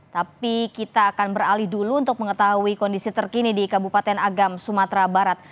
tapi kita akan beralih dulu untuk mengetahui kondisi terkini di kabupaten agam sumatera barat